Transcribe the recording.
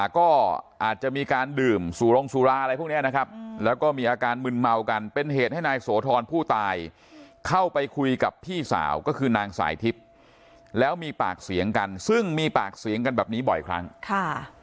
ก็อาจจะมีการดื่มสุรงสุราอะไรพวกนี้นะครับแล้วก็มีอาการมึนเมากันเป็นเหตุให้นายโสธรผู้ตายเข้าไปคุยกับพี่สาวก็คือนางสายทิพย์แล้วมีปากเสียงกันซึ่งมีปากเสียงกันแบบนี้บ่อยครั้งค่ะ